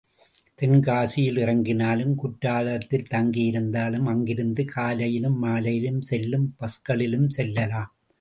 தென்காசியில் இறங்கினாலும், குற்றாலத்தில் தங்கி இருந்தாலும் அங்கிருந்து காலையிலும் மாலையிலும் செல்லும் பஸ்களிலும் செல்லலாம்.